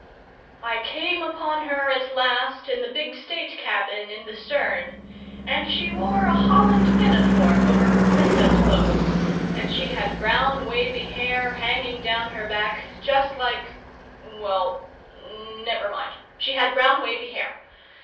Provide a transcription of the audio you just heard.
I came upon her at last in the big state cabin in the stern; and she wore a holland pinafore over her Princess clothes, and she had brown wavy hair, hanging down her back, just like well, never mind, she had brown wavy hair.